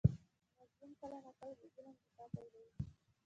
مظلوم کله ناکله د ظالم دفاع پیلوي.